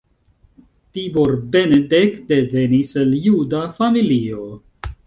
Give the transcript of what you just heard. Tibor Benedek devenis el juda familio.